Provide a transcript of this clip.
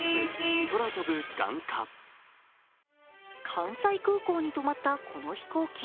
関西空港に止まったこの飛行機。